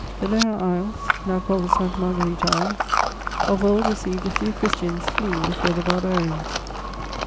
The Lérins Isles, now called the Sainte Marguerite Isles, of old received a few Christians fleeing before the Barbarians.